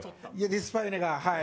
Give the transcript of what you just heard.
デスパイネがはい。